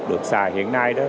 được xài hiện nay